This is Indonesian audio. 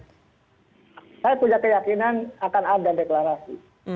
saya punya keyakinan akan ada deklarasi